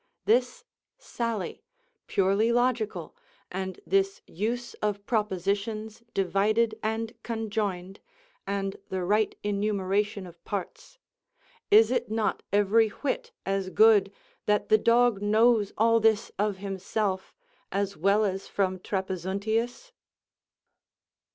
This sally, purely logical, and this use of propositions divided and conjoined, and the right enumeration of parts, is it not every whit as good that the dog knows all this of himself as well as from Trapezuntius?